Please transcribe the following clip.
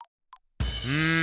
うん！